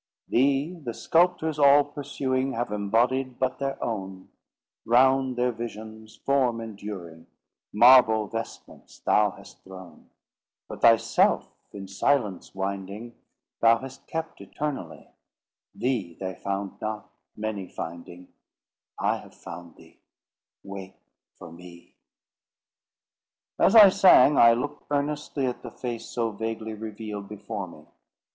"Thee the sculptors all pursuing, Have embodied but their own; Round their visions, form enduring, Marble vestments thou hast thrown; But thyself, in silence winding, Thou hast kept eternally; Thee they found not, many finding— I have found thee: wake for me." As I sang, I looked earnestly at the face so vaguely revealed before me.